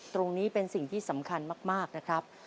ตรงนี้เป็นสิ่งที่สำคัญมากนะครับ